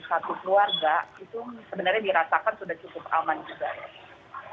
jadi untuk keluarga itu sebenarnya dirasakan sudah cukup aman juga ya